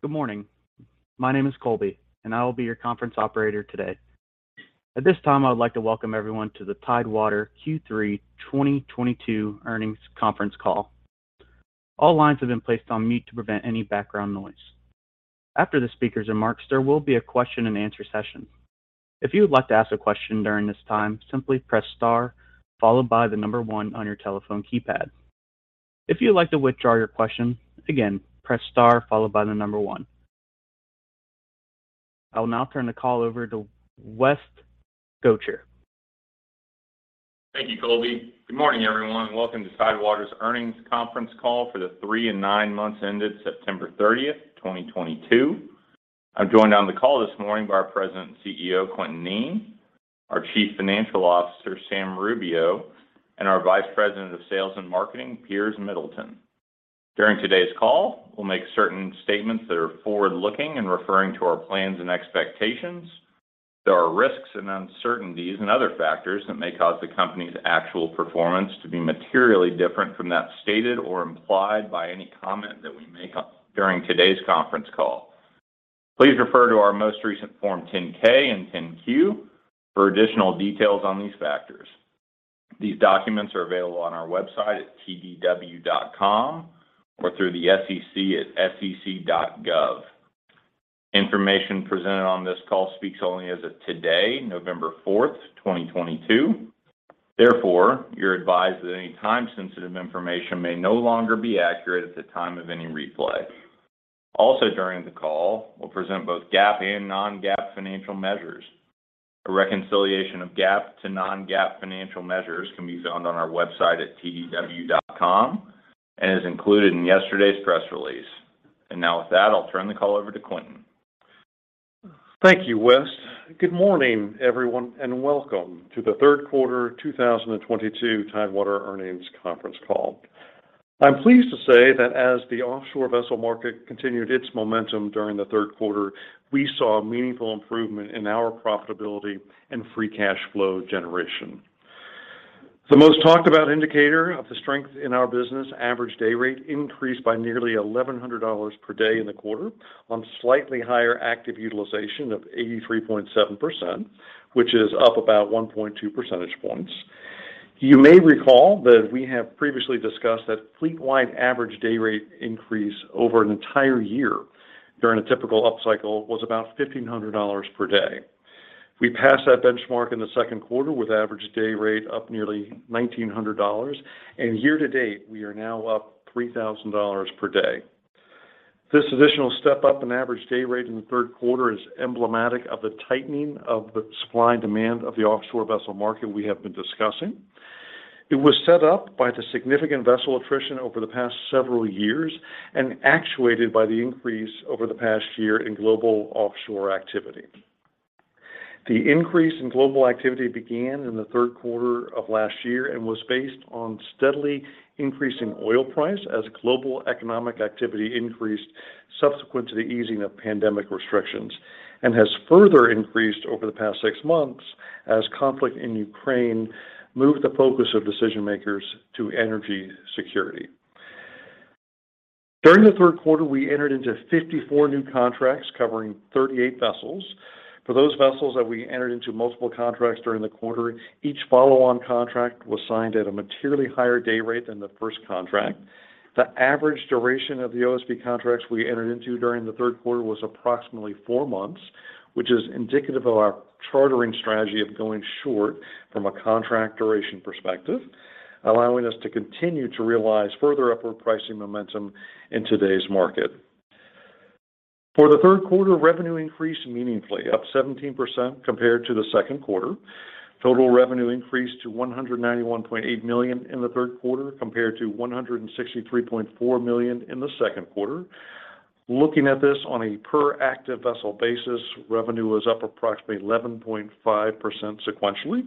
Good morning. My name is Colby, and I will be your conference operator today. At this time, I would like to welcome everyone to the Tidewater Q3 2022 Earnings Conference Call. All lines have been placed on mute to prevent any background noise. After the speakers' remarks, there will be a question-and-answer session. If you would like to ask a question during this time, simply press star followed by the number one on your telephone keypad. If you'd like to withdraw your question, again, press star followed by the number one. I will now turn the call over to West Gotcher. Thank you, Colby. Good morning, everyone. Welcome to Tidewater's Earnings Conference Call for the three and nine months ended September 30th, 2022. I'm joined on the call this morning by our President and CEO, Quintin Kneen, our Chief Financial Officer, Sam R. Rubio, and our Vice President of Sales and Marketing, Piers Middleton. During today's call, we'll make certain statements that are forward-looking and referring to our plans and expectations. There are risks and uncertainties and other factors that may cause the company's actual performance to be materially different from that stated or implied by any comment that we make during today's conference call. Please refer to our most recent Form 10-K and 10-Q for additional details on these factors. These documents are available on our website at tdw.com or through the SEC at sec.gov. Information presented on this call speaks only as of today, November 4th, 2022. Therefore, you're advised that any time-sensitive information may no longer be accurate at the time of any replay. Also during the call, we'll present both GAAP and non-GAAP financial measures. A reconciliation of GAAP to non-GAAP financial measures can be found on our website at tdw.com and is included in yesterday's press release. Now with that, I'll turn the call over to Quintin. Thank you, West. Good morning, everyone, and welcome to the Third Quarter 2022 Tidewater Earnings Conference Call. I'm pleased to say that as the offshore vessel market continued its momentum during the third quarter, we saw meaningful improvement in our profitability and free cash flow generation. The most talked about indicator of the strength in our business, average day rate, increased by nearly $1,100 per day in the quarter on slightly higher active utilization of 83.7%, which is up about 1.2 percentage points. You may recall that we have previously discussed that fleet-wide average day rate increase over an entire year during a typical upcycle was about $1,500 per day. We passed that benchmark in the second quarter with average day rate up nearly $1,900, and year-to-date, we are now up $3,000 per day. This additional step up in average day rate in the third quarter is emblematic of the tightening of the supply and demand of the offshore vessel market we have been discussing. It was set up by the significant vessel attrition over the past several years and actuated by the increase over the past year in global offshore activity. The increase in global activity began in the third quarter of last year and was based on steadily increasing oil price as global economic activity increased subsequent to the easing of pandemic restrictions and has further increased over the past six months as conflict in Ukraine moved the focus of decision makers to energy security. During the third quarter, we entered into 54 new contracts covering 38 vessels. For those vessels that we entered into multiple contracts during the quarter, each follow-on contract was signed at a materially higher day rate than the first contract. The average duration of the OSV contracts we entered into during the third quarter was approximately four months, which is indicative of our chartering strategy of going short from a contract duration perspective, allowing us to continue to realize further upward pricing momentum in today's market. For the third quarter, revenue increased meaningfully, up 17% compared to the second quarter. Total revenue increased to $191.8 million in the third quarter compared to $163.4 million in the second quarter. Looking at this on a per active vessel basis, revenue was up approximately 11.5% sequentially.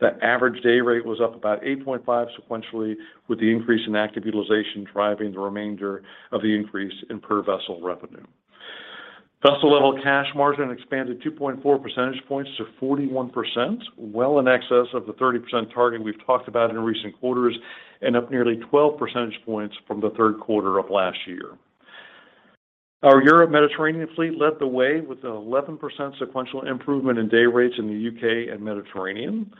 The average day rate was up about 8.5 sequentially, with the increase in active utilization driving the remainder of the increase in per vessel revenue. Vessel level cash margin expanded 2.4 percentage points to 41%, well in excess of the 30% target we've talked about in recent quarters and up nearly 12 percentage points from the third quarter of last year. Our Europe Mediterranean fleet led the way with an 11% sequential improvement in day rates in the UK and Mediterranean.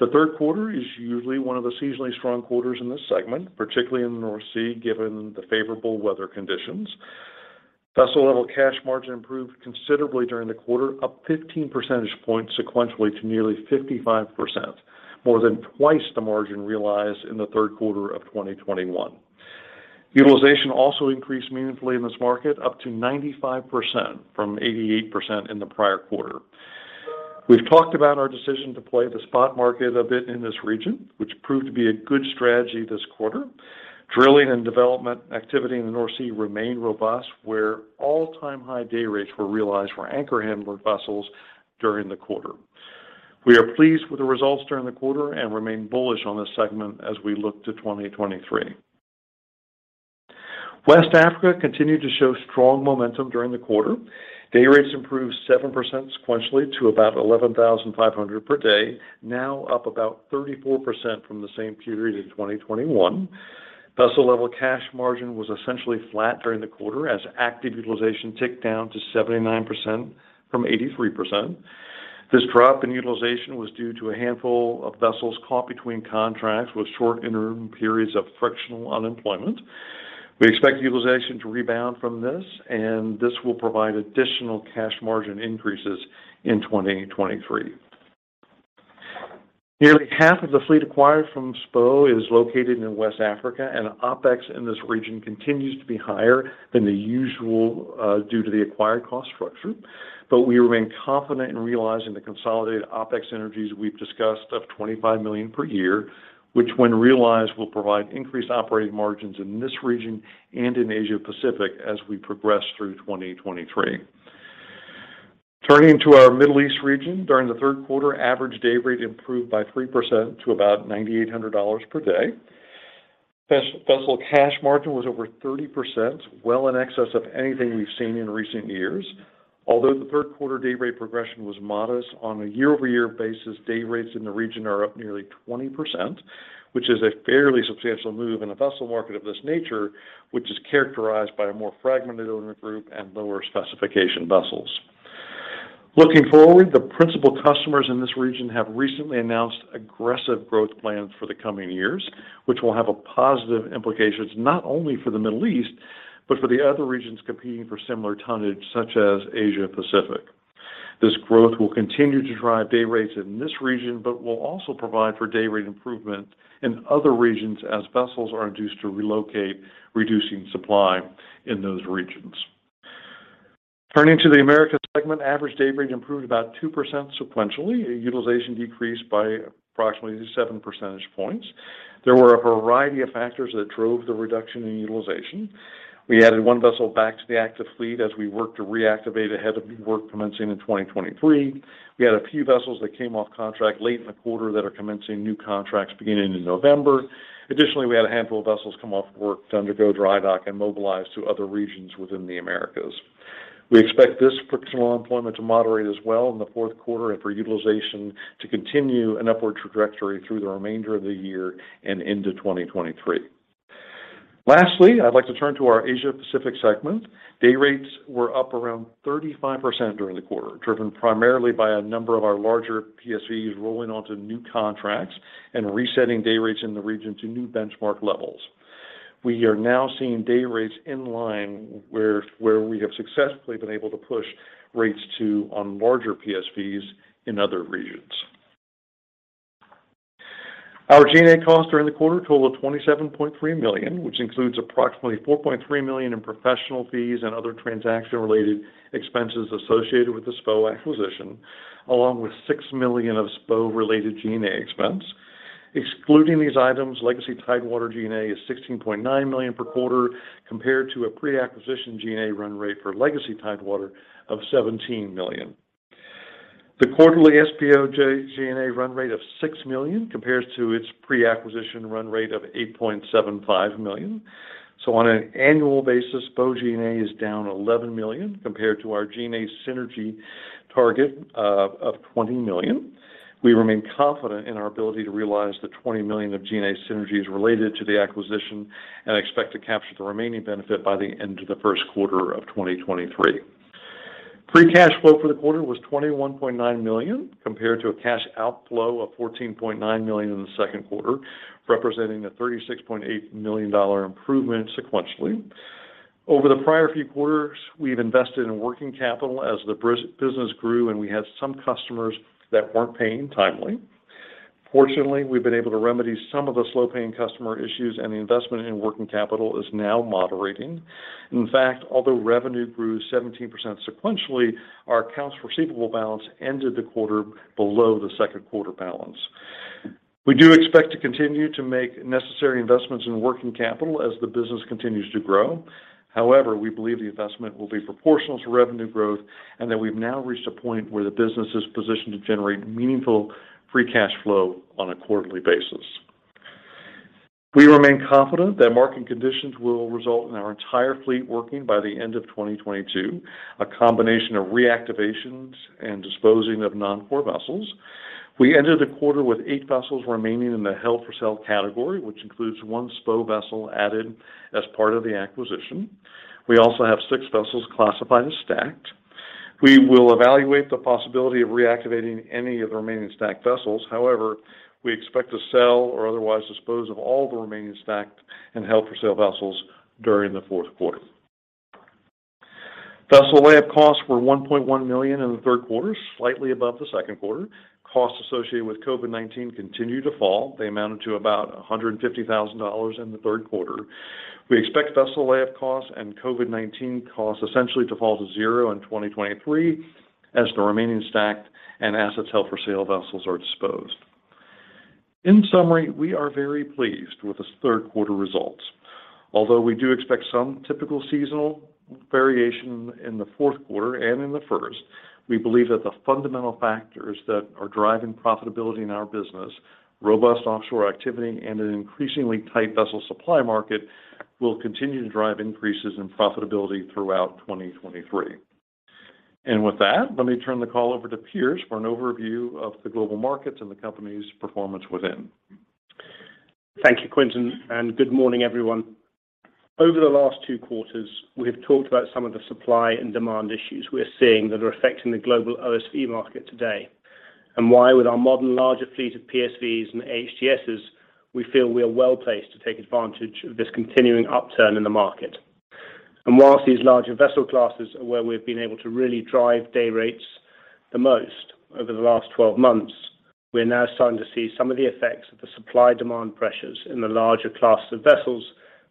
The third quarter is usually one of the seasonally strong quarters in this segment, particularly in the North Sea, given the favorable weather conditions. Vessel level cash margin improved considerably during the quarter, up 15 percentage points sequentially to nearly 55%, more than 2x the margin realized in the third quarter of 2021. Utilization also increased meaningfully in this market, up to 95% from 88% in the prior quarter. We've talked about our decision to play the spot market a bit in this region, which proved to be a good strategy this quarter. Drilling and development activity in the North Sea remained robust, where all-time high day rates were realized for anchor handler vessels during the quarter. We are pleased with the results during the quarter and remain bullish on this segment as we look to 2023. West Africa continued to show strong momentum during the quarter. Day rates improved 7% sequentially to about $11,500 per day, now up about 34% from the same period in 2021. Vessel level cash margin was essentially flat during the quarter as active utilization ticked down to 79% from 83%. This drop in utilization was due to a handful of vessels caught between contracts with short interim periods of frictional unemployment. We expect utilization to rebound from this, and this will provide additional cash margin increases in 2023. Nearly half of the fleet acquired from SPO is located in West Africa, and OpEx in this region continues to be higher than the usual due to the acquired cost structure. We remain confident in realizing the consolidated OpEx synergies we've discussed of $25 million per year, which when realized, will provide increased operating margins in this region and in Asia Pacific as we progress through 2023. Turning to our Middle East region, during the third quarter, average day rate improved by 3% to about $9,800 per day. Vessel cash margin was over 30%, well in excess of anything we've seen in recent years. Although the third quarter day rate progression was modest on a year-over-year basis, day rates in the region are up nearly 20%, which is a fairly substantial move in a vessel market of this nature, which is characterized by a more fragmented owner group and lower specification vessels. Looking forward, the principal customers in this region have recently announced aggressive growth plans for the coming years, which will have positive implications not only for the Middle East, but for the other regions competing for similar tonnage such as Asia Pacific. This growth will continue to drive day rates in this region, but will also provide for day rate improvement in other regions as vessels are induced to relocate, reducing supply in those regions. Turning to the Americas segment, average day rate improved about 2% sequentially. Utilization decreased by approximately seven percentage points. There were a variety of factors that drove the reduction in utilization. We added one vessel back to the active fleet as we work to reactivate ahead of new work commencing in 2023. We had a few vessels that came off contract late in the quarter that are commencing new contracts beginning in November. Additionally, we had a handful of vessels come off work to undergo dry dock and mobilize to other regions within the Americas. We expect this frictional employment to moderate as well in the fourth quarter and for utilization to continue an upward trajectory through the remainder of the year and into 2023. Lastly, I'd like to turn to our Asia Pacific segment. Day rates were up around 35% during the quarter, driven primarily by a number of our larger PSVs rolling onto new contracts and resetting day rates in the region to new benchmark levels. We are now seeing day rates in line with where we have successfully been able to push rates up on larger PSVs in other regions. Our G&A costs during the quarter total of $27.3 million, which includes approximately $4.3 million in professional fees and other transaction-related expenses associated with the SPO acquisition, along with $6 million of SPO-related G&A expense. Excluding these items, legacy Tidewater G&A is $16.9 million per quarter compared to a pre-acquisition G&A run rate for legacy Tidewater of $17 million. The quarterly SPO's G&A run rate of $6 million compares to its pre-acquisition run rate of $8.75 million. On an annual basis, SPO G&A is down $11 million compared to our G&A synergy target of $20 million. We remain confident in our ability to realize the $20 million of G&A synergies related to the acquisition and expect to capture the remaining benefit by the end of the first quarter of 2023. Free cash flow for the quarter was $21.9 million, compared to a cash outflow of $14.9 million in the second quarter, representing a $36.8 million dollar improvement sequentially. Over the prior few quarters, we've invested in working capital as the business grew, and we had some customers that weren't paying timely. Fortunately, we've been able to remedy some of the slow-paying customer issues, and the investment in working capital is now moderating. In fact, although revenue grew 17% sequentially, our accounts receivable balance ended the quarter below the second quarter balance. We do expect to continue to make necessary investments in working capital as the business continues to grow. However, we believe the investment will be proportional to revenue growth and that we've now reached a point where the business is positioned to generate meaningful free cash flow on a quarterly basis. We remain confident that market conditions will result in our entire fleet working by the end of 2022, a combination of reactivations and disposing of non-core vessels. We ended the quarter with eight vessels remaining in the held for sale category, which includes one PSV vessel added as part of the acquisition. We also have six vessels classified as stacked. We will evaluate the possibility of reactivating any of the remaining stacked vessels. However, we expect to sell or otherwise dispose of all the remaining stacked and held for sale vessels during the fourth quarter. Vessel lay up costs were $1.1 million in the third quarter, slightly above the second quarter. Costs associated with COVID-19 continued to fall. They amounted to about $150,000 in the third quarter. We expect vessel lay up costs and COVID-19 costs essentially to fall to zero in 2023 as the remaining stacked and assets held for sale vessels are disposed. In summary, we are very pleased with the third quarter results. Although we do expect some typical seasonal variation in the fourth quarter and in the first. We believe that the fundamental factors that are driving profitability in our business, robust offshore activity, and an increasingly tight vessel supply market will continue to drive increases in profitability throughout 2023. With that, let me turn the call over to Piers for an overview of the global markets and the company's performance within. Thank you, Quintin, and good morning, everyone. Over the last two quarters, we have talked about some of the supply and demand issues we're seeing that are affecting the global OSV market today and why with our modern larger fleet of PSVs and AHTS' we feel we are well-placed to take advantage of this continuing upturn in the market. While these larger vessel classes are where we've been able to really drive day rates the most over the last 12 months, we're now starting to see some of the effects of the supply-demand pressures in the larger classes of vessels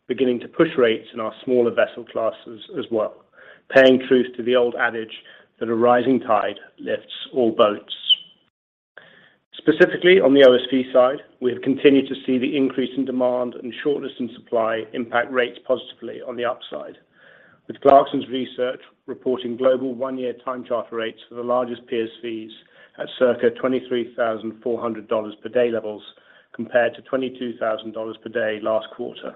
beginning to push rates in our smaller vessel classes as well, paying tribute to the old adage that a rising tide lifts all boats. Specifically on the OSV side, we have continued to see the increase in demand and shortness in supply impact rates positively on the upside, with Clarksons Research reporting global one-year time charter rates for the largest PSVs at circa $23,400 per day levels compared to $22,000 per day last quarter,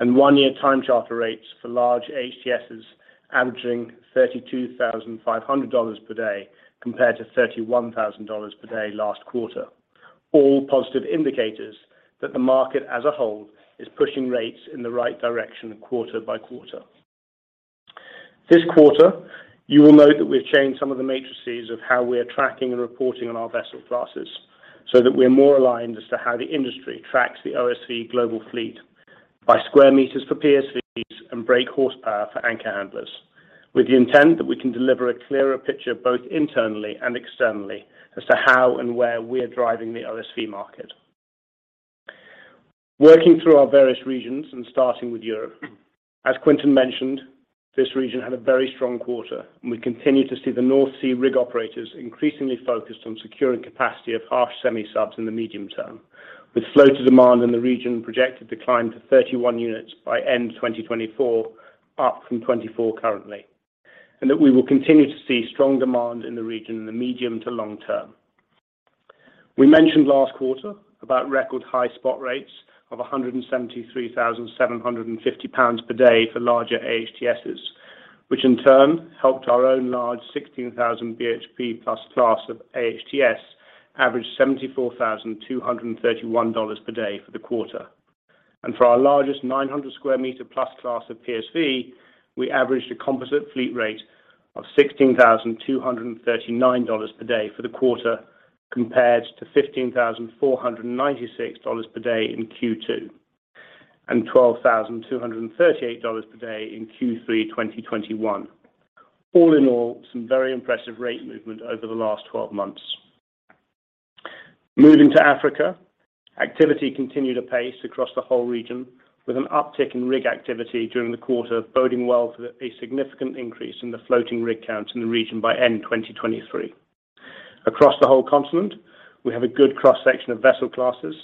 and one-year time charter rates for large AHTS' averaging $32,500 per day compared to $31,000 per day last quarter. All positive indicators that the market as a whole is pushing rates in the right direction quarter-by-quarter. This quarter, you will note that we've changed some of the matrices of how we are tracking and reporting on our vessel classes so that we're more aligned as to how the industry tracks the OSV global fleet by square meters for PSVs and brake horsepower for anchor handlers, with the intent that we can deliver a clearer picture, both internally and externally, as to how and where we are driving the OSV market. Working through our various regions and starting with Europe. As Quintin mentioned, this region had a very strong quarter, and we continue to see the North Sea rig operators increasingly focused on securing capacity of harsh semi-submersibles in the medium term, with floater demand in the region projected to climb to 31 units by end 2024, up from 24 currently, and that we will continue to see strong demand in the region in the medium to long term. We mentioned last quarter about record high spot rates of 173,750 pounds per day for larger AHTS', which in turn helped our own large 16,000 BHP+ class of AHTS average $74,231 per day for the quarter. For our largest 900+ sq m class of PSV, we averaged a composite fleet rate of $16,239 per day for the quarter compared to $15,496 per day in Q2, and $12,238 per day in Q3 2021. All in all, some very impressive rate movement over the last 12 months. Moving to Africa, activity continued apace across the whole region with an uptick in rig activity during the quarter, boding well for a significant increase in the floating rig count in the region by end 2023. Across the whole continent, we have a good cross-section of vessel classes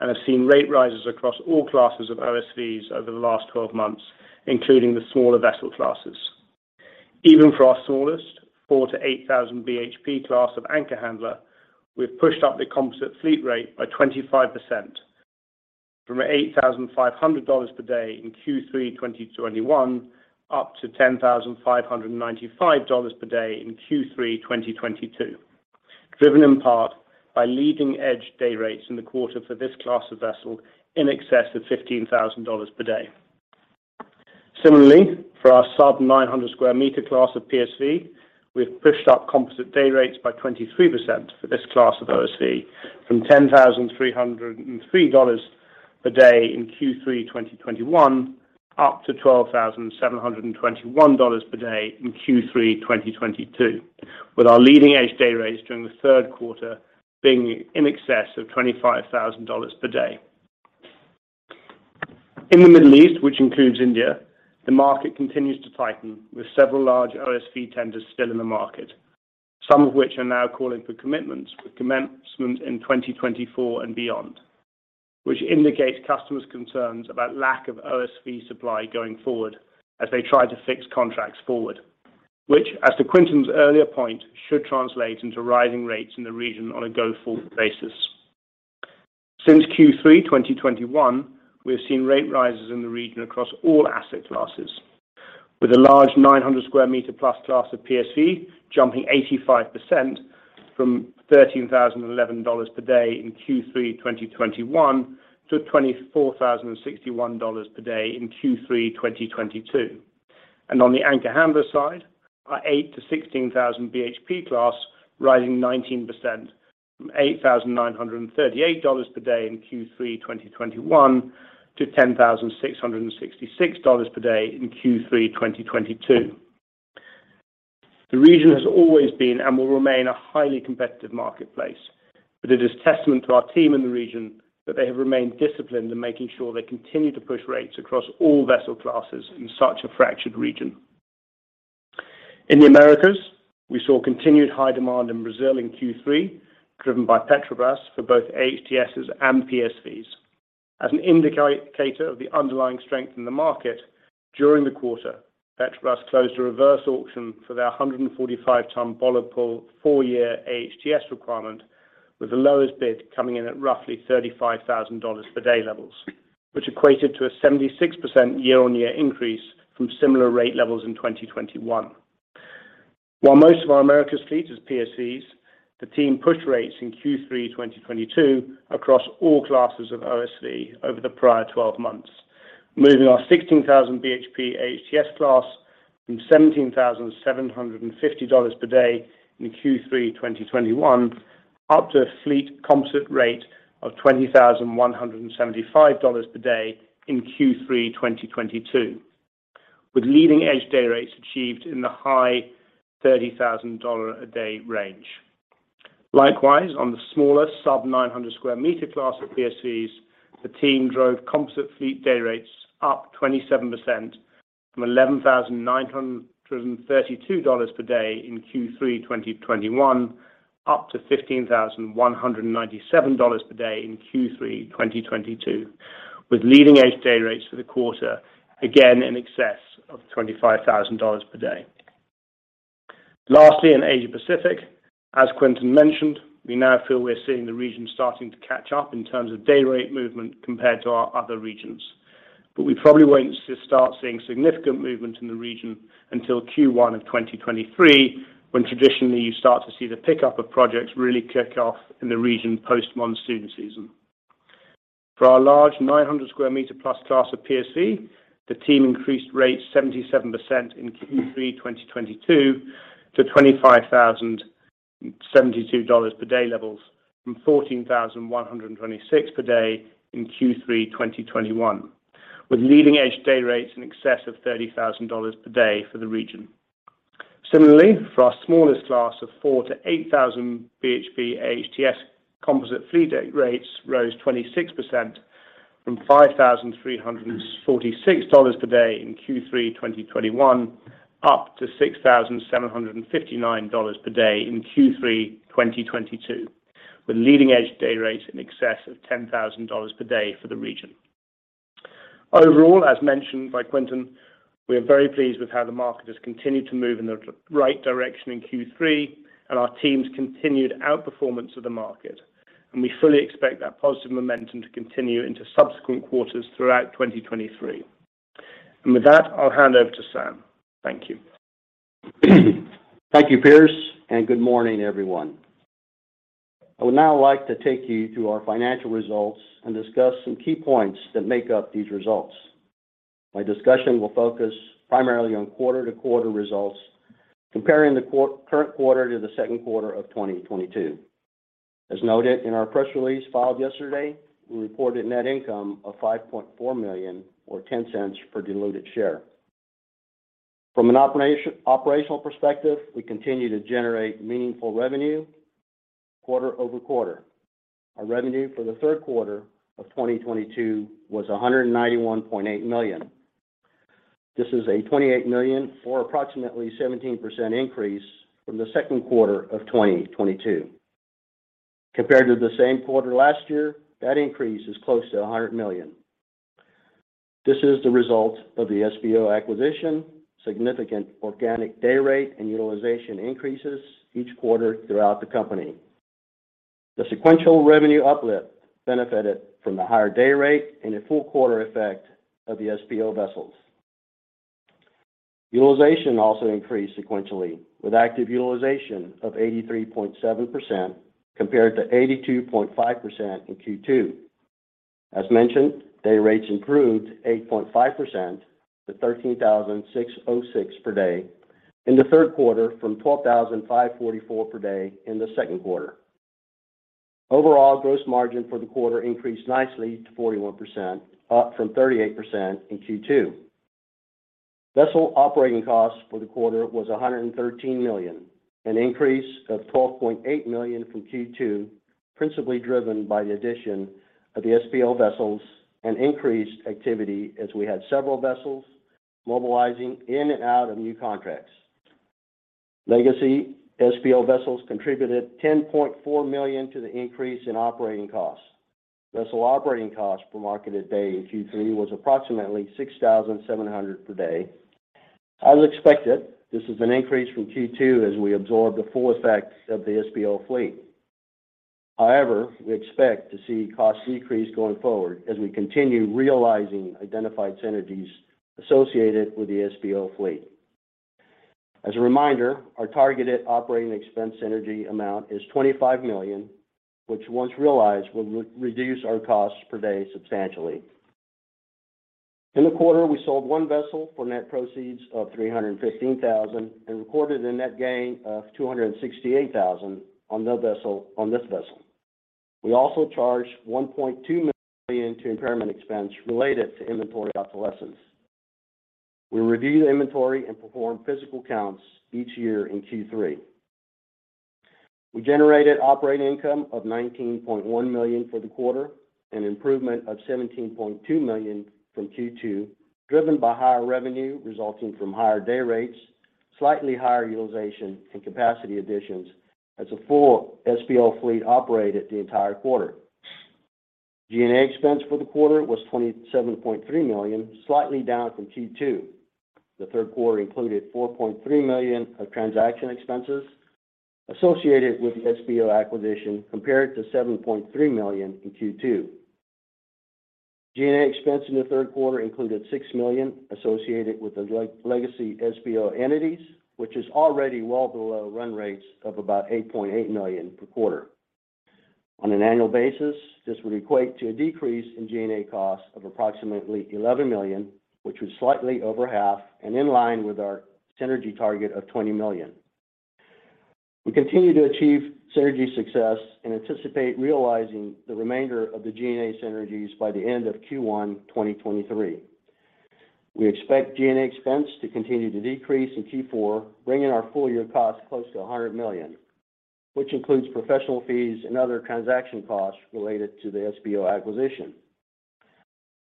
and have seen rate rises across all classes of OSVs over the last 12 months, including the smaller vessel classes. Even for our smallest 4,000 BHP-8,000 BHP class of anchor handler, we've pushed up the composite fleet rate by 25% from $8,500 per day in Q3 2021 up to $10,595 per day in Q3 2022, driven in part by leading-edge day rates in the quarter for this class of vessel in excess of $15,000 per day. Similarly, for our sub 900 sq m class of PSV, we've pushed up composite day rates by 23% for this class of OSV from $10,303 per day in Q3 2021 up to $12,721 per day in Q3 2022, with our leading edge day rates during the third quarter being in excess of $25,000 per day. In the Middle East, which includes India, the market continues to tighten with several large OSV tenders still in the market, some of which are now calling for commitments with commencement in 2024 and beyond, which indicates customers' concerns about lack of OSV supply going forward as they try to fix contracts forward, which, as to Quintin's earlier point, should translate into rising rates in the region on a go-forward basis. Since Q3 2021, we have seen rate rises in the region across all asset classes, with a large 900+ sq m class of PSV jumping 85% from $13,011 per day in Q3 2021 to $24,061 per day in Q3 2022. On the anchor handler side, our 8,000 BHP-16,000 BHP class rising 19% from $8,938 per day in Q3 2021 to $10,666 per day in Q3 2022. The region has always been and will remain a highly competitive marketplace, but it is testament to our team in the region that they have remained disciplined in making sure they continue to push rates across all vessel classes in such a fractured region. In the Americas, we saw continued high demand in Brazil in Q3, driven by Petrobras for both AHTS' and PSVs. As an indicator of the underlying strength in the market, during the quarter, Petrobras closed a reverse auction for their 145-ton bollard pull four-year AHTS requirement, with the lowest bid coming in at roughly $35,000 per day levels, which equated to a 76% year-on-year increase from similar rate levels in 2021. While most of our Americas fleet is PSVs, the team pushed rates in Q3 2022 across all classes of OSV over the prior 12 months, moving our 16,000 BHP AHTS class from $17,750 per day in Q3 2021 up to a fleet composite rate of $20,175 per day in Q3 2022, with leading-edge day rates achieved in the high $30,000-a-day range. Likewise, on the smaller sub-900 sq m class of PSVs, the team drove composite fleet day rates up 27% from $11,932 per day in Q3 2021 up to $15,197 per day in Q3 2022, with leading-edge day rates for the quarter, again in excess of $25,000 per day. Lastly, in Asia Pacific, as Quintin mentioned, we now feel we're seeing the region starting to catch up in terms of day rate movement compared to our other regions. We probably won't start seeing significant movement in the region until Q1 of 2023, when traditionally you start to see the pickup of projects really kick off in the region post-monsoon season. For our large 900+ sq m class of PSV, the team increased rates 77% in Q3 2022 to $25,072 per day levels from $14,126 per day in Q3 2021, with leading-edge day rates in excess of $30,000 per day for the region. Similarly, for our smallest class of 4,000 BHP-8,000 BHP AHTS composite fleet day rates rose 26% from $5,346 per day in Q3 2021 up to $6,759 per day in Q3 2022, with leading-edge day rates in excess of $10,000 per day for the region. Overall, as mentioned by Quintin, we are very pleased with how the market has continued to move in the right direction in Q3 and our team's continued outperformance of the market. We fully expect that positive momentum to continue into subsequent quarters throughout 2023. With that, I'll hand over to Sam. Thank you. Thank you, Piers, and good morning, everyone. I would now like to take you through our financial results and discuss some key points that make up these results. My discussion will focus primarily on quarter-over-quarter results, comparing the current quarter to the second quarter of 2022. As noted in our press release filed yesterday, we reported net income of $5.4 million or $0.10 per diluted share. From an operational perspective, we continue to generate meaningful revenue quarter-over-quarter. Our revenue for the third quarter of 2022 was $191.8 million. This is a $28 million or approximately 17% increase from the second quarter of 2022. Compared to the same quarter last year, that increase is close to $100 million. This is the result of the SPO acquisition, significant organic day rate and utilization increases each quarter throughout the company. The sequential revenue uplift benefited from the higher day rate and a full quarter effect of the SPO vessels. Utilization also increased sequentially with active utilization of 83.7% compared to 82.5% in Q2. As mentioned, day rates improved 8.5% to $13,606 per day in the third quarter from $12,544 per day in the second quarter. Overall, gross margin for the quarter increased nicely to 41%, up from 38% in Q2. Vessel operating costs for the quarter was $113 million, an increase of $12.8 million from Q2, principally driven by the addition of the SPO vessels and increased activity as we had several vessels mobilizing in and out of new contracts. Legacy SPO vessels contributed $10.4 million to the increase in operating costs. Vessel operating costs per marketed day in Q3 was approximately $6,700 per day. As expected, this is an increase from Q2 as we absorb the full effects of the SPO fleet. However, we expect to see costs decrease going forward as we continue realizing identified synergies associated with the SPO fleet. As a reminder, our targeted operating expense synergy amount is $25 million, which once realized, will reduce our costs per day substantially. In the quarter, we sold one vessel for net proceeds of $315,000 and recorded a net gain of $268,000 on the vessel, on this vessel. We also charged $1.2 million to impairment expense related to inventory obsolescence. We review the inventory and perform physical counts each year in Q3. We generated operating income of $19.1 million for the quarter, an improvement of $17.2 million from Q2, driven by higher revenue resulting from higher day rates, slightly higher utilization and capacity additions as a full SPO fleet operated the entire quarter. G&A expense for the quarter was $27.3 million, slightly down from Q2. The third quarter included $4.3 million of transaction expenses associated with the SPO acquisition, compared to $7.3 million in Q2. G&A expense in the third quarter included $6 million associated with the legacy SPO entities, which is already well below run rates of about $8.8 million per quarter. On an annual basis, this would equate to a decrease in G&A costs of approximately $11 million, which was slightly over half and in line with our synergy target of $20 million. We continue to achieve synergy success and anticipate realizing the remainder of the G&A synergies by the end of Q1 2023. We expect G&A expense to continue to decrease in Q4, bringing our full year costs close to $100 million, which includes professional fees and other transaction costs related to the SPO acquisition.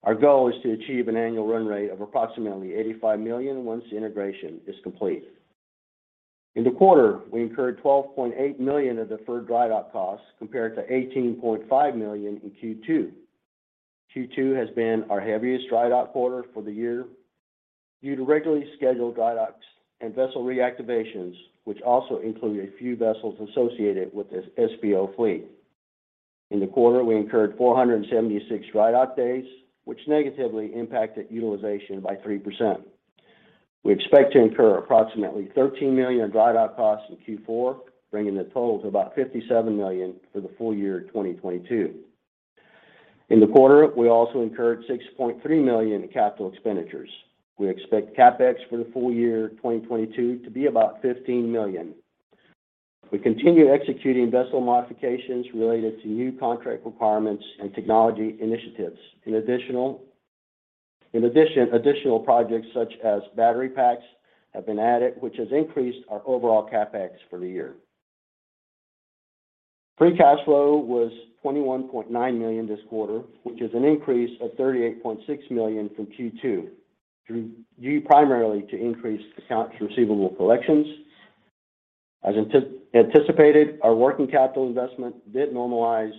Our goal is to achieve an annual run rate of approximately $85 million once the integration is complete. In the quarter, we incurred $12.8 million of deferred drydock costs, compared to $18.5 million in Q2. Q2 has been our heaviest drydock quarter for the year due to regularly scheduled drydocks and vessel reactivations, which also include a few vessels associated with the SPO fleet. In the quarter, we incurred 476 drydock days, which negatively impacted utilization by 3%. We expect to incur approximately $13 million in drydock costs in Q4, bringing the total to about $57 million for the full year 2022. In the quarter, we also incurred $6.3 million in capital expenditures. We expect CapEx for the full year 2022 to be about $15 million. We continue executing vessel modifications related to new contract requirements and technology initiatives. In addition, additional projects such as battery packs have been added, which has increased our overall CapEx for the year. Free cash flow was $21.9 million this quarter, which is an increase of $38.6 million from Q2 due primarily to increased accounts receivable collections. As anticipated, our working capital investment did normalize,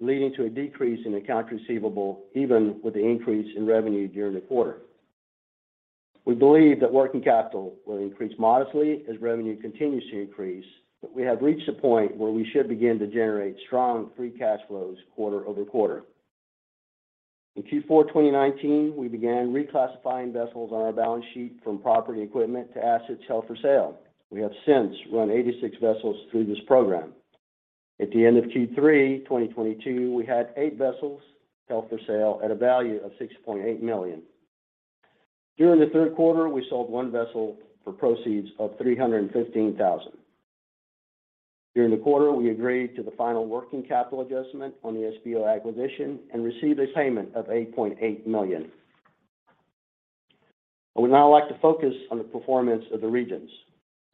leading to a decrease in accounts receivable even with the increase in revenue during the quarter. We believe that working capital will increase modestly as revenue continues to increase, but we have reached a point where we should begin to generate strong free cash flows quarter-over-quarter. In Q4 2019, we began reclassifying vessels on our balance sheet from property and equipment to assets held for sale. We have since run 86 vessels through this program. At the end of Q3 2022, we had eight vessels held for sale at a value of $6.8 million. During the third quarter, we sold one vessel for proceeds of $315,000. During the quarter, we agreed to the final working capital adjustment on the SPO acquisition and received a payment of $8.8 million. I would now like to focus on the performance of the regions.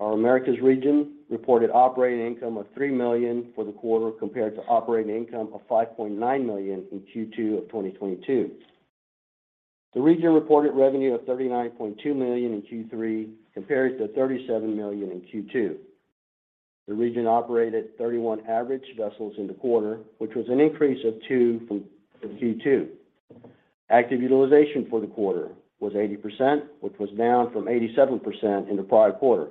Our Americas region reported operating income of $3 million for the quarter compared to operating income of $5.9 million in Q2 of 2022. The region reported revenue of $39.2 million in Q3 compared to $37 million in Q2. The region operated 31 average vessels in the quarter, which was an increase of two from Q2. Active utilization for the quarter was 80%, which was down from 87% in the prior quarter.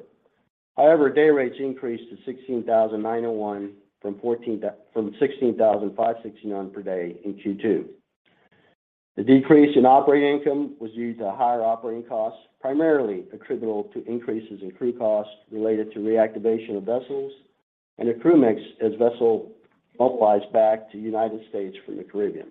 However, day rates increased to $16,901 from $16,569 per day in Q2. The decrease in operating income was due to higher operating costs, primarily attributable to increases in crew costs related to reactivation of vessels and a crew mix as vessel operates back to United States from the Caribbean.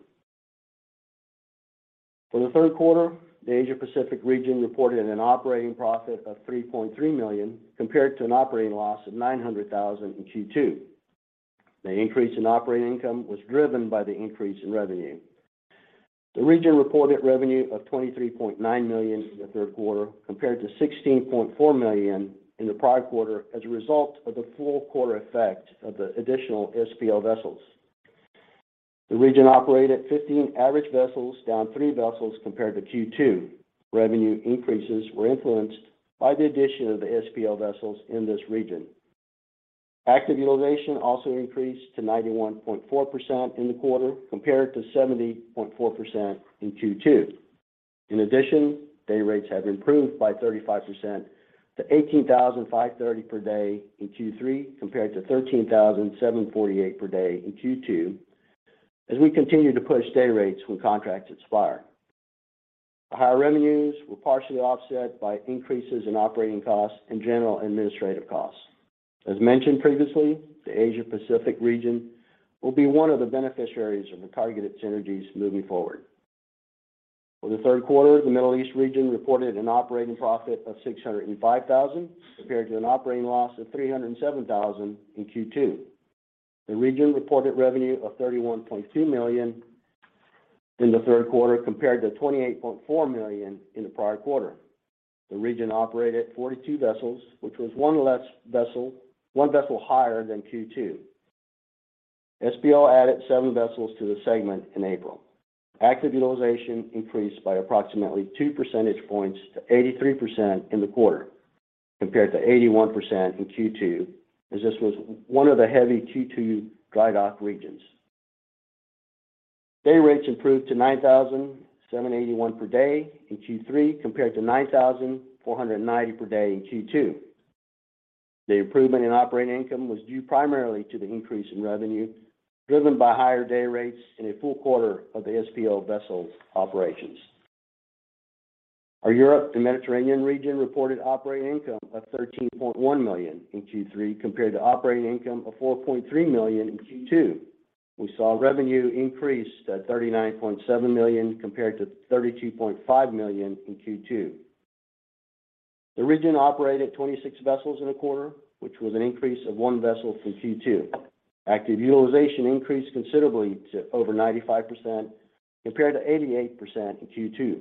For the third quarter, the Asia Pacific region reported an operating profit of $3.3 million, compared to an operating loss of $900,000 in Q2. The increase in operating income was driven by the increase in revenue. The region reported revenue of $23.9 million in the third quarter, compared to $16.4 million in the prior quarter as a result of the full quarter effect of the additional SPO vessels. The region operated 15 average vessels, down three vessels compared to Q2. Revenue increases were influenced by the addition of the SPO vessels in this region. Active utilization also increased to 91.4% in the quarter, compared to 70.4% in Q2. In addition, day rates have improved by 35% to $18,530 per day in Q3, compared to $13,748 per day in Q2 as we continue to push day rates when contracts expire. The higher revenues were partially offset by increases in operating costs and general administrative costs. As mentioned previously, the Asia Pacific region will be one of the beneficiaries of the targeted synergies moving forward. For the third quarter, the Middle East region reported an operating profit of $605,000, compared to an operating loss of $307,000 in Q2. The region reported revenue of $31.2 million in the third quarter, compared to $28.4 million in the prior quarter. The region operated 42 vessels, which was one vessel higher than Q2. SPO added seven vessels to the segment in April. Active utilization increased by approximately two percentage points to 83% in the quarter, compared to 81% in Q2, as this was one of the heavy Q2 dry dock regions. Day rates improved to $9,781 per day in Q3, compared to $9,490 per day in Q2. The improvement in operating income was due primarily to the increase in revenue, driven by higher day rates and a full quarter of the SPO vessel operations. Our Europe Mediterranean region reported operating income of $13.1 million in Q3, compared to operating income of $4.3 million in Q2. We saw revenue increase to $39.7 million, compared to $32.5 million in Q2. The region operated 26 vessels in the quarter, which was an increase of one vessel from Q2. Active utilization increased considerably to over 95% compared to 88% in Q2.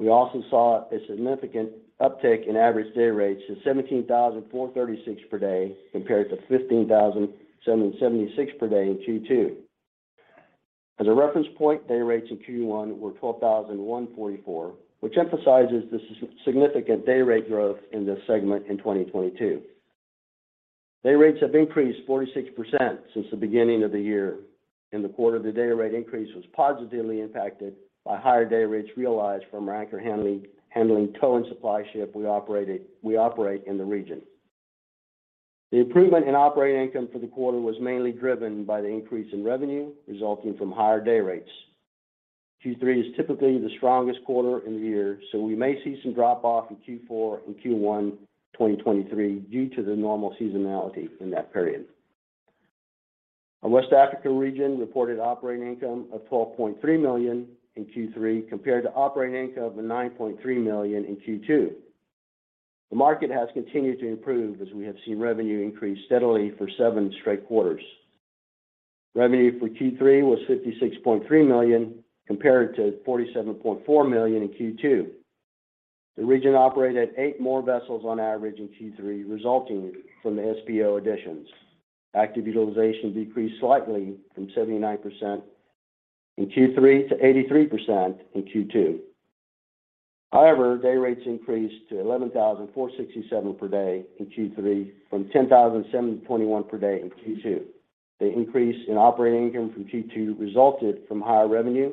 We also saw a significant uptick in average day rates to $17,436 per day compared to $15,776 per day in Q2. As a reference point, day rates in Q1 were $12,144, which emphasizes the significant day rate growth in this segment in 2022. Day rates have increased 46% since the beginning of the year. In the quarter, the day rate increase was positively impacted by higher day rates realized from our anchor handling tug and supply ship we operate in the region. The improvement in operating income for the quarter was mainly driven by the increase in revenue resulting from higher day rates. Q3 is typically the strongest quarter in the year, so we may see some drop off in Q4 and Q1 2023 due to the normal seasonality in that period. Our West Africa region reported operating income of $12.3 million in Q3 compared to operating income of $9.3 million in Q2. The market has continued to improve as we have seen revenue increase steadily for seven straight quarters. Revenue for Q3 was $56.3 million compared to $47.4 million in Q2. The region operated eight more vessels on average in Q3, resulting from the SPO additions. Active utilization decreased slightly from 79% in Q3 to 83% in Q2. However, day rates increased to $11,467 per day in Q3 from $10,721 per day in Q2. The increase in operating income from Q2 resulted from higher revenue,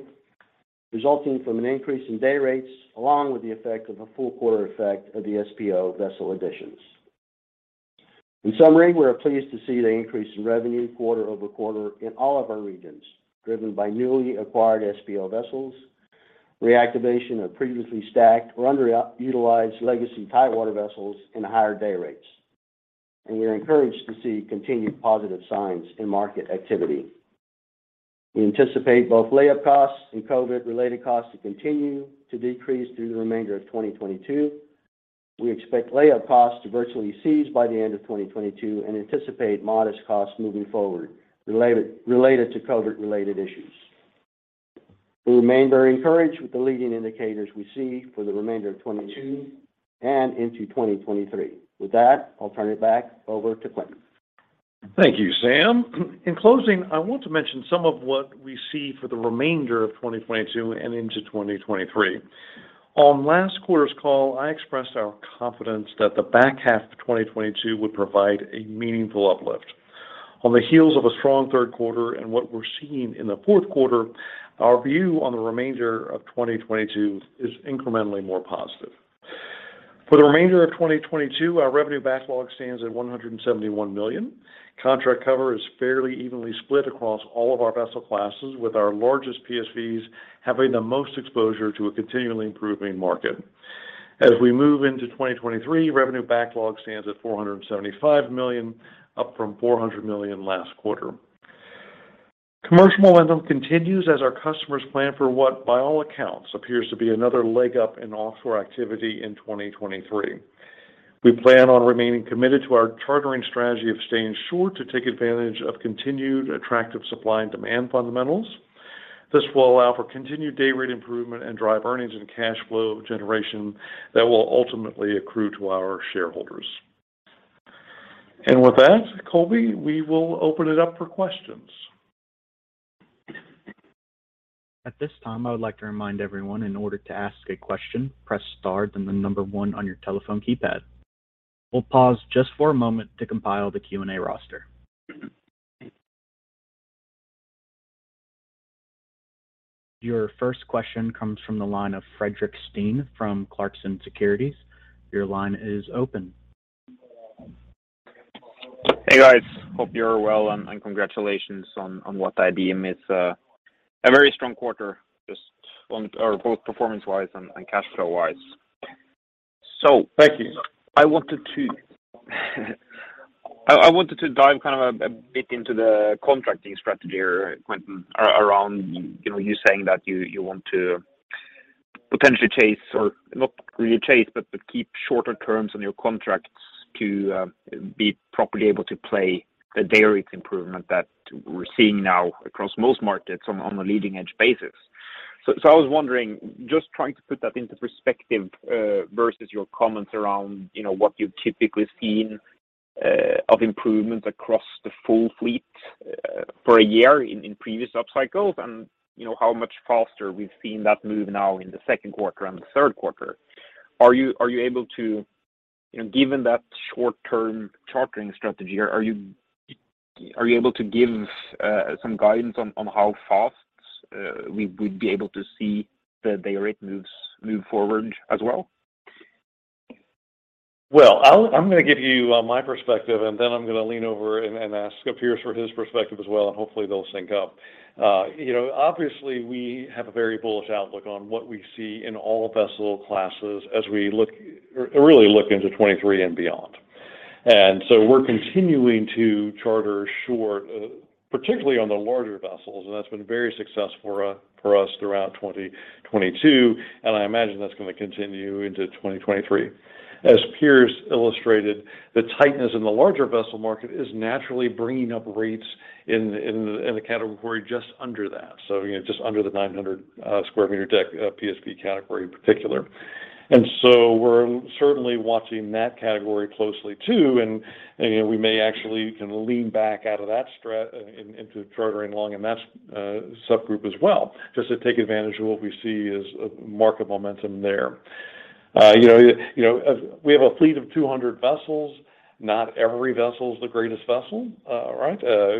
resulting from an increase in day rates, along with the effect of a full quarter effect of the SPO vessel additions. In summary, we are pleased to see the increase in revenue quarter-over-quarter in all of our regions, driven by newly acquired SPO vessels, reactivation of previously stacked or underutilized legacy Tidewater vessels, and higher day rates. We are encouraged to see continued positive signs in market activity. We anticipate both layup costs and COVID-related costs to continue to decrease through the remainder of 2022. We expect layup costs to virtually cease by the end of 2022 and anticipate modest costs moving forward related to COVID-related issues. We remain very encouraged with the leading indicators we see for the remainder of 2022 and into 2023. With that, I'll turn it back over to Quintin. Thank you, Sam. In closing, I want to mention some of what we see for the remainder of 2022 and into 2023. On last quarter's call, I expressed our confidence that the back half of 2022 would provide a meaningful uplift. On the heels of a strong third quarter and what we're seeing in the fourth quarter, our view on the remainder of 2022 is incrementally more positive. For the remainder of 2022, our revenue backlog stands at $171 million. Contract cover is fairly evenly split across all of our vessel classes, with our largest PSVs having the most exposure to a continually improving market. As we move into 2023, revenue backlog stands at $475 million, up from $400 million last quarter. Commercial momentum continues as our customers plan for what, by all accounts, appears to be another leg up in offshore activity in 2023. We plan on remaining committed to our chartering strategy of staying short to take advantage of continued attractive supply and demand fundamentals. This will allow for continued day rate improvement and drive earnings and cash flow generation that will ultimately accrue to our shareholders. With that, Colby, we will open it up for questions. At this time, I would like to remind everyone in order to ask a question, press star, then the number one on your telephone keypad. We'll pause just for a moment to compile the Q&A roster. Your first question comes from the line of Fredrik Stene from Clarksons Securities. Your line is open. Hey, guys. Hope you're well and congratulations on what I deem is a very strong quarter, just on or both performance-wise and cash flow-wise. Thank you. I wanted to dive kind of a bit into the contracting strategy here, Quintin, around you know, you saying that you want to potentially chase or not really chase, but keep shorter terms on your contracts to be properly able to play the day rate improvement that we're seeing now across most markets on a leading edge basis. I was wondering, just trying to put that into perspective, versus your comments around, you know, what you've typically seen, of improvements across the full fleet, for a year in previous upcycles and, you know, how much faster we've seen that move now in the second quarter and the third quarter. Are you able to, you know, given that short-term chartering strategy, give some guidance on how fast we would be able to see the day rate moves move forward as well? Well, I'm gonna give you my perspective, and then I'm gonna lean over and ask Piers for his perspective as well, and hopefully they'll sync up. You know, obviously we have a very bullish outlook on what we see in all vessel classes as we look, really look into 2023 and beyond. We're continuing to charter short, particularly on the larger vessels, and that's been very successful for us throughout 2022, and I imagine that's gonna continue into 2023. As Piers illustrated, the tightness in the larger vessel market is naturally bringing up rates in the category just under that. You know, just under the 900 sq m deck PSV category in particular. We're certainly watching that category closely too, and you know, we may actually kind of lean back out of that strat into chartering long in that subgroup as well, just to take advantage of what we see as a market momentum there. You know, as we have a fleet of 200 vessels, not every vessel is the greatest vessel, right?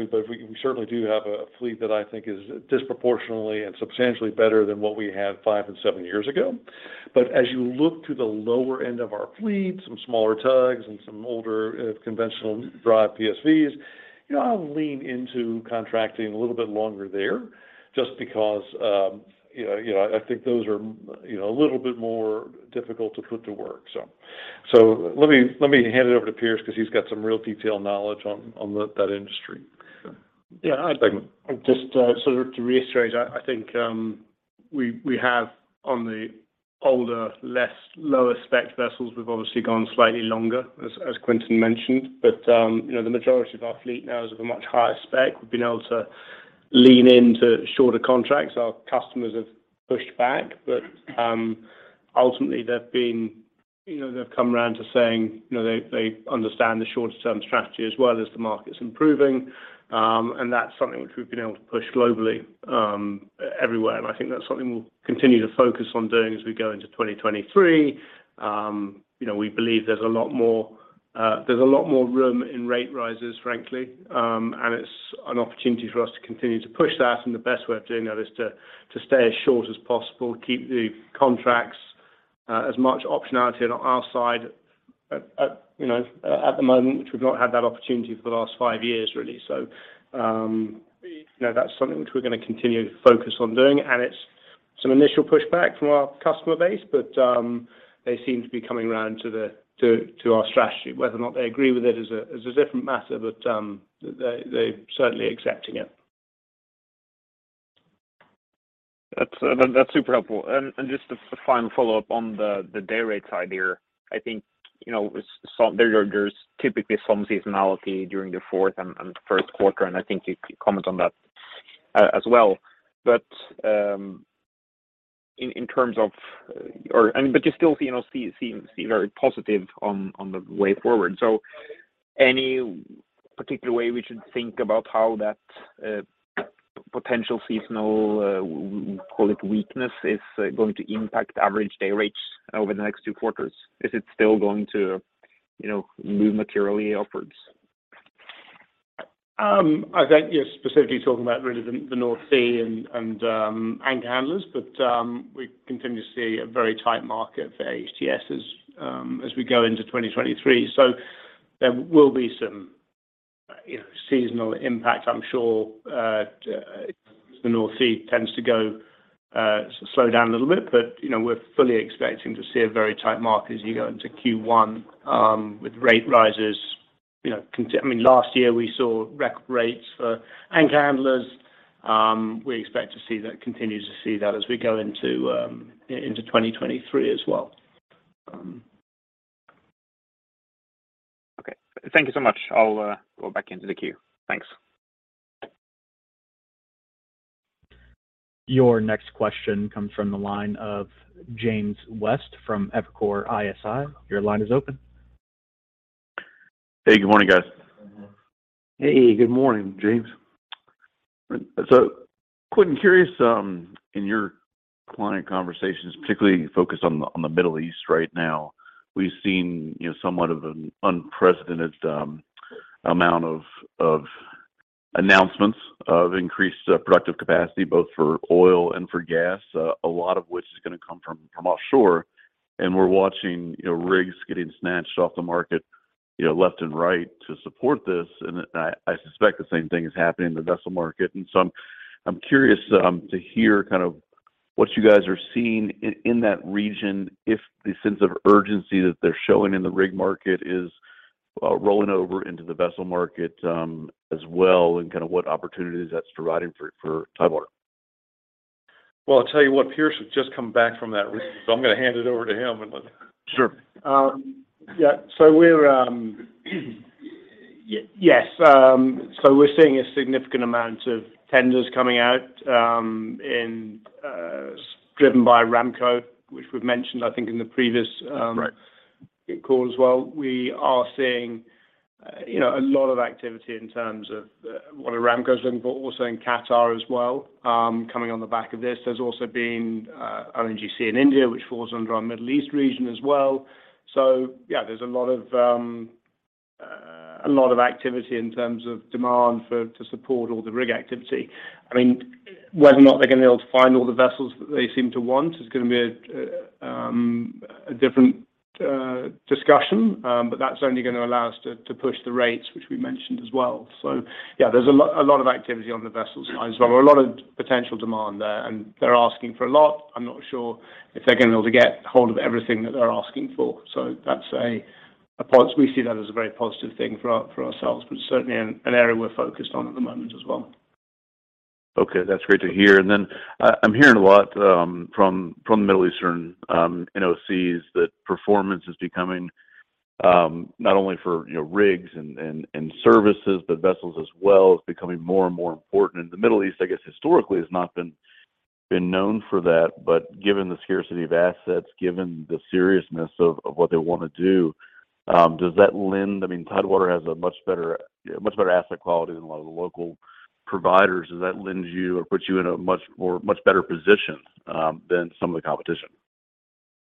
But we certainly do have a fleet that I think is disproportionately and substantially better than what we had five and seven years ago. As you look to the lower end of our fleet, some smaller tugs and some older, conventional drive PSVs, you know, I'll lean into contracting a little bit longer there just because, you know, I think those are, you know, a little bit more difficult to put to work. So let me hand it over to Piers because he's got some real detailed knowledge on that industry. Yeah. Thank you. Just sort of to reiterate, I think we have on the older, lower spec vessels, we've obviously gone slightly longer, as Quintin mentioned. You know, the majority of our fleet now is of a much higher spec. We've been able to lean into shorter contracts. Our customers have pushed back, but ultimately you know, they've come around to saying, you know, they understand the shorter term strategy as well as the market's improving. That's something which we've been able to push globally, everywhere. I think that's something we'll continue to focus on doing as we go into 2023. You know, we believe there's a lot more room in rate rises, frankly. It's an opportunity for us to continue to push that, and the best way of doing that is to stay as short as possible, keep the contracts as much optionality on our side at the moment, you know, which we've not had that opportunity for the last five years, really. That's something which we're gonna continue to focus on doing. It's some initial pushback from our customer base, but they seem to be coming around to our strategy. Whether or not they agree with it is a different matter, but they're certainly accepting it. That's super helpful. Just a final follow-up on the day rate side here. I think, you know, there's typically some seasonality during the fourth and first quarter, and I think you comment on that as well. You still, you know, seem very positive on the way forward. Any particular way we should think about how that potential seasonal, we'll call it weakness, is going to impact average day rates over the next two quarters? Is it still going to, you know, move materially upwards? I think you're specifically talking about really the North Sea and anchor handlers. We continue to see a very tight market for AHTS as we go into 2023. There will be some, you know, seasonal impact, I'm sure. The North Sea tends to slow down a little bit. You know, we're fully expecting to see a very tight market as you go into Q1 with rate rises, you know, I mean, last year we saw record rates for anchor handlers. We expect to see that continue as we go into 2023 as well. Okay. Thank you so much. I'll go back into the queue. Thanks. Your next question comes from the line of James West from Evercore ISI. Your line is open. Hey, good morning, guys. Hey, good morning, James. Quick and curious, in your client conversations, particularly focused on the Middle East right now, we've seen, you know, somewhat of an unprecedented amount of announcements of increased productive capacity, both for oil and for gas, a lot of which is gonna come from offshore. We're watching, you know, rigs getting snatched off the market, you know, left and right to support this. I suspect the same thing is happening in the vessel market. I'm curious to hear kind of what you guys are seeing in that region, if the sense of urgency that they're showing in the rig market is rolling over into the vessel market, as well, and kind of what opportunities that's providing for Tidewater. Well, I'll tell you what, Piers has just come back from that region, so I'm gonna hand it over to him and let- Sure. Yeah. We're, yeah, yes. We're seeing a significant amount of tenders coming out, driven by Aramco, which we've mentioned, I think, in the previous- Right call as well. We are seeing, you know, a lot of activity in terms of what Aramco's doing, but also in Qatar as well, coming on the back of this. There's also been ONGC in India, which falls under our Middle East region as well. Yeah, there's a lot of activity in terms of demand for to support all the rig activity. I mean, whether or not they're gonna be able to find all the vessels that they seem to want is gonna be a different discussion. That's only gonna allow us to push the rates, which we mentioned as well. Yeah, there's a lot of activity on the vessels side as well. A lot of potential demand there, and they're asking for a lot. I'm not sure if they're gonna be able to get a hold of everything that they're asking for. That's a very positive thing for ourselves, but certainly an area we're focused on at the moment as well. Okay, that's great to hear. Then, I'm hearing a lot from the Middle Eastern NOCs that performance is becoming not only for, you know, rigs and services, but vessels as well. It's becoming more and more important. The Middle East, I guess historically, has not been known for that. Given the scarcity of assets, given the seriousness of what they wanna do, does that lend? I mean, Tidewater has a much better asset quality than a lot of the local providers. Does that lend you or put you in a much more, much better position than some of the competition?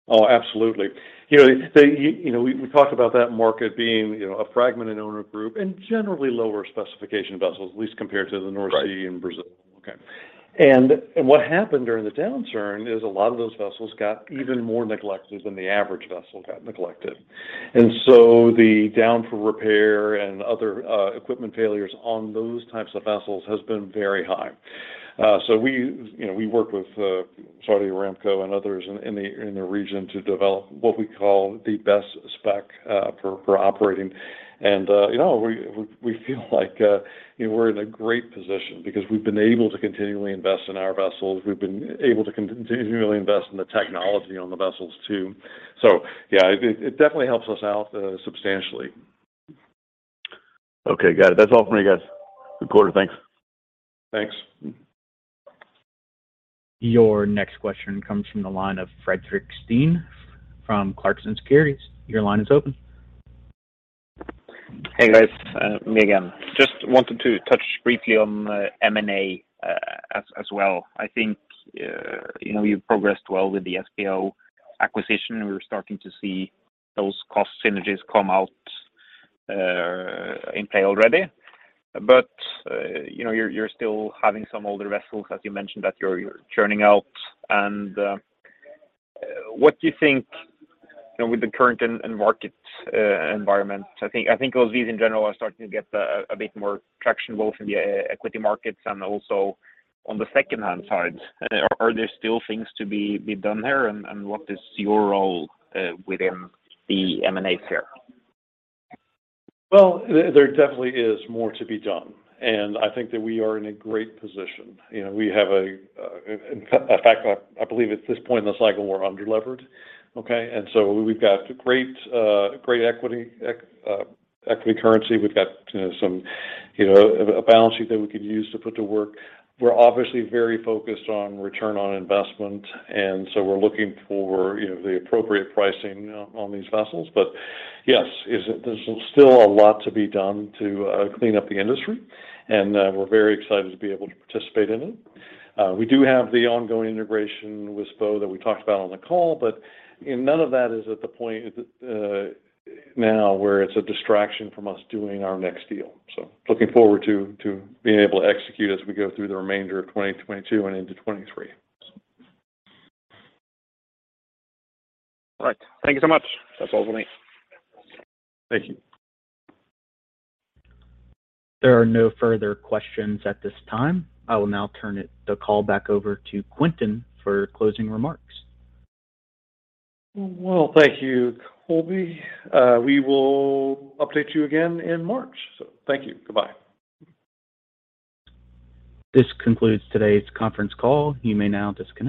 Oh, absolutely. You know, we talked about that market being, you know, a fragmented owner group and generally lower specification vessels, at least compared to the North Sea. Right Brazil. Okay. What happened during the downturn is a lot of those vessels got even more neglected than the average vessel got neglected. The downtime for repair and other equipment failures on those types of vessels has been very high. We, you know, work with Saudi Aramco and others in the region to develop what we call the best spec for operating. You know, we feel like, you know, we're in a great position because we've been able to continually invest in our vessels. We've been able to continually invest in the technology on the vessels too. Yeah, it definitely helps us out substantially. Okay, got it. That's all for me, guys. Good quarter. Thanks. Thanks. Your next question comes from the line of Fredrik Stene from Clarksons Securities. Your line is open. Hey, guys, me again. Just wanted to touch briefly on M&A as well. I think you know, you've progressed well with the SPO acquisition. We're starting to see those cost synergies come out in play already. You know, you're still having some older vessels, as you mentioned, that you're churning out. What do you think, you know, with the current and market environment? I think OSVs in general are starting to get a bit more traction both in the equity markets and also on the secondhand side. Are there still things to be done there? What is your role within the M&A sphere? Well, there definitely is more to be done, and I think that we are in a great position. You know, we have. In fact, I believe at this point in the cycle, we're under-levered, okay? We've got great equity currency. We've got, you know, some you know a balance sheet that we could use to put to work. We're obviously very focused on return on investment, and so we're looking for, you know, the appropriate pricing on these vessels. Yes, there's still a lot to be done to clean up the industry, and we're very excited to be able to participate in it. We do have the ongoing integration with SPO that we talked about on the call, but, you know, none of that is at the point now where it's a distraction from us doing our next deal. Looking forward to being able to execute as we go through the remainder of 2022 and into 2023. All right. Thank you so much. That's all for me. Thank you. There are no further questions at this time. I will now turn the call back over to Quintin for closing remarks. Well, thank you, Colby. We will update you again in March. Thank you. Goodbye. This concludes today's conference call. You may now disconnect.